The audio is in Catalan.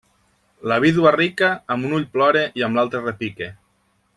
La vídua rica, amb un ull plora i amb l'altre repica.